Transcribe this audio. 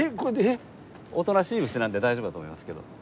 おとなしい牛なんで大丈夫だと思いますけど。